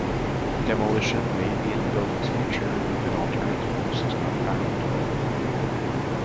Demolition may be in the building's future if an alternate use is not found.